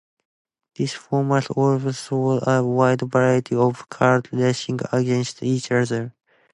This format allows for a wide variety of cars racing against each other.